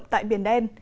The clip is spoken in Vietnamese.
hoạt động tại biển đen